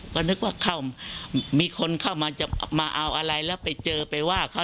ก็นึกว่าเข้ามีคนเข้ามาจะมาเอาอะไรแล้วไปเจอไปว่าเขา